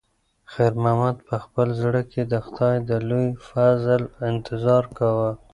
خیر محمد په خپل زړه کې د خدای د لوی فضل انتظار کاوه.